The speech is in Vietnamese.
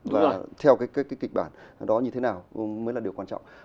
và theo cái kịch bản đó như thế nào mới là điều quan trọng